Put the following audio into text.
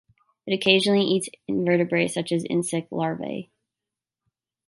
It occasionally eats invertebrates such as insect larvae.